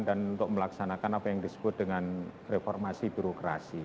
dan untuk melaksanakan apa yang disebut dengan reformasi birokrasi